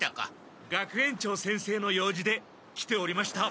学園長先生の用事で来ておりました。